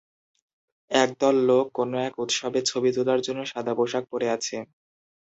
এক দল লোক কোন এক উৎসবে ছবি তোলার জন্য সাদা পোশাক পরে আছে।